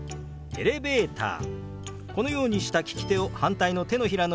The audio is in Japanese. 「エレベーター」。